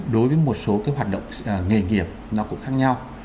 đối với một số cái hoạt động nghề nghiệp nó cũng khác nhau